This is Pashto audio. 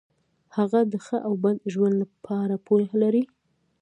هغه د ښه او بد ژوند په اړه پوهه لري.